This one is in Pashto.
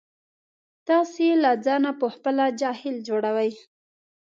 تاسې له ځانه په خپله جاهل جوړوئ.